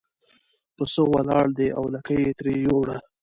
پسه ولاړ دی او لکۍ یې ترې یووړه.